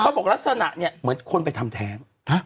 บอกลักษณะเนี่ยเหมือนคนไปทำแท้ง